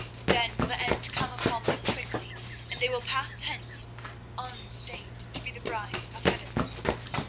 Then will the end come upon them quickly, and they will pass hence unstained to be the brides of Heaven."